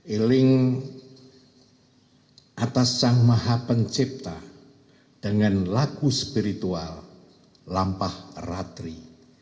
eling atas sang maha pencipta dengan laku spiritual lampah ratri